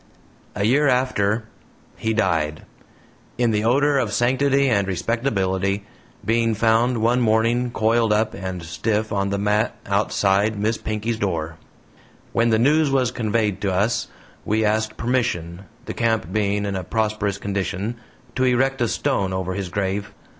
A year after, he died, in the odor of sanctity and respectability, being found one morning coiled up and stiff on the mat outside Miss Pinkey's door. When the news was conveyed to us, we asked permission, the camp being in a prosperous condition, to erect a stone over his grave.